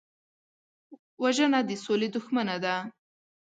وژنه د سولې دښمنه ده